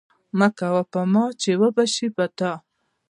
مه کوه په ما، چي وبه سي په تا